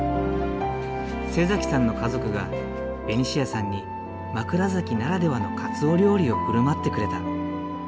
さんの家族がベニシアさんに枕崎ならではの鰹料理を振る舞ってくれた。